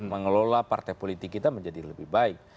mengelola partai politik kita menjadi lebih baik